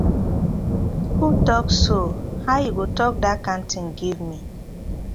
Who tok so, how yu go tok dat kind tin giv mi.